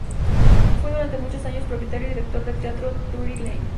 Fue durante muchos años propietario y director del Teatro Drury Lane.